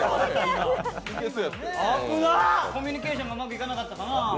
コミュニケーションもうまくいかなかったよな。